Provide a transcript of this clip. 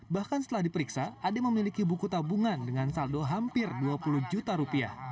bahkan setelah diperiksa ade memiliki buku tabungan dengan saldo hampir dua puluh juta rupiah